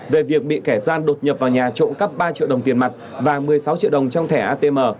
về việc bị kẻ gian đột nhập vào nhà trộm cắp ba triệu đồng tiền mặt và một mươi sáu triệu đồng trong thẻ atm